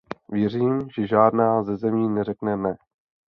Věřím, že žádná ze zemí neřekne ne.